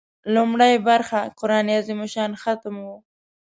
لومړۍ برخه قران عظیم الشان ختم و.